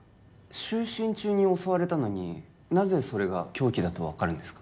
就寝中に襲われたのになぜそれが凶器だと分かるんですか？